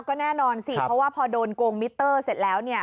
ก็แน่นอนสิเพราะว่าพอโดนโกงมิเตอร์เสร็จแล้วเนี่ย